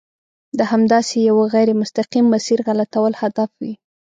د همداسې یوه غیر مستقیم مسیر غلطول هدف وي.